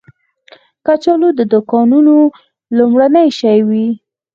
کچالو د دوکانونو لومړنی شی وي